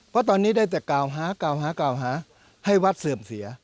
เพราะตอนนี้ได้แต่กล่าวหาให้วัดเสื่อมเสีย